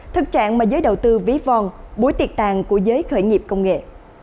thực trạng mà giới đầu tư ví von buổi tiệc tàn của giới khởi nghiệp công nghệ